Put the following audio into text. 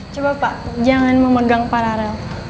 coba pak jangan memegang paralel